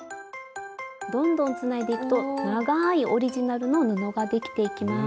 どんどんつないでいくとながいオリジナルの布ができていきます。